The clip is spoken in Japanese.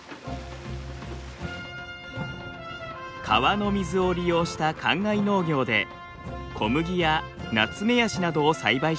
川の水を利用したかんがい農業で小麦やナツメヤシなどを栽培してきました。